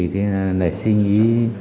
thế là lại suy nghĩ